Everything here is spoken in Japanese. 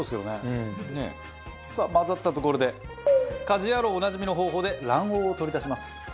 さあ混ざったところで『家事ヤロウ！！！』おなじみの方法で卵黄を取り出します。